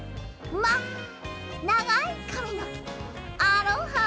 まあながいかみのアロハ！